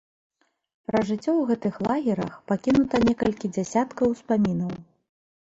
Пра жыццё ў гэтых лагерах пакінута некалькі дзясяткаў успамінаў.